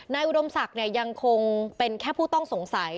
อุดมศักดิ์ยังคงเป็นแค่ผู้ต้องสงสัย